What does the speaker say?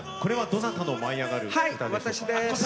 どなたの舞いあがる歌ですか？